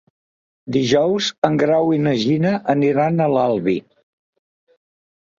Dijous en Grau i na Gina aniran a l'Albi.